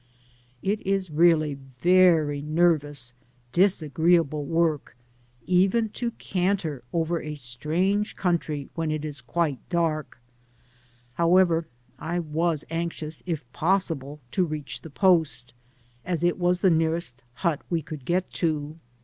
It is really very nervous, disagreeable work even to ouiter over a strange country when it is quite dark ; however, I was anxious if possible to reach the post, as it was the nearest hut we could get to.